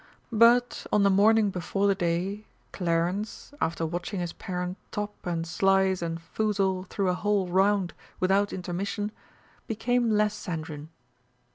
But on the morning before the day, Clarence, after watching his parent top and slice and foozle through a whole round without intermission, became less sanguine.